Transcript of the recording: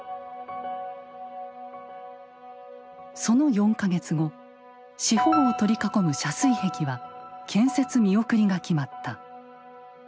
その４か月後四方を取り囲む遮水壁は建設見送りが決まった。